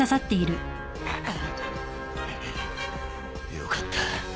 よかった。